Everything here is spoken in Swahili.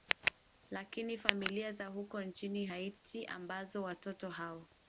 lakini familia za huko nchini haiti ambazo watoto hao